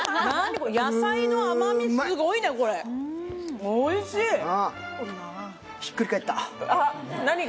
これ野菜の甘みすごいねこれおいしいうんひっくり返ったあっ何が？